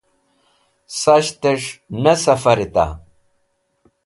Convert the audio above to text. Sashtẽs̃h ne sẽfarita?